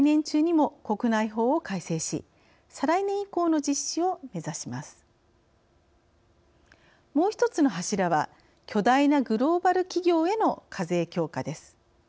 もう１つの柱は巨大なグローバル企業への課税強化です。